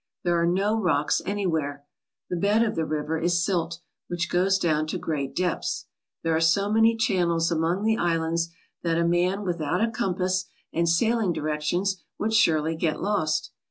There are no rocks anywhere. The bed of the river is silt, which goes down to great depths. There are so many channels among the islands that a man without a compass and sailing directions would surely get lost.